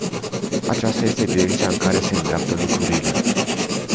Aceasta este direcția în care se îndreaptă lucrurile.